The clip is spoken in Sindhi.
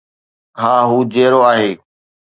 ها، هو جيئرو آهي